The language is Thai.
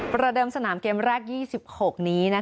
ประเดิมสนามเกมแรก๒๖นี้